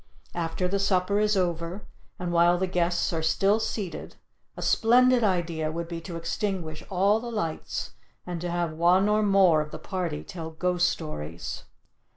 After the supper is over and while the guests are still seated a splendid idea would be to extinguish all the lights and to have one or more of the party tell ghost stories.